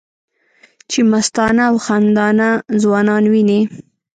چې مستانه او خندانه ځوانان وینې